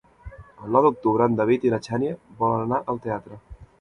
El nou d'octubre en David i na Xènia volen anar al teatre.